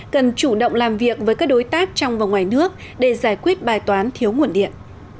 cần chủ động làm việc với các đối tác trong và ngoài nước để giải quyết bài toán thiếu nguồn điện